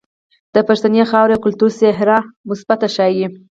د پښتنې خاورې او کلتور څهره مثبت ښائي.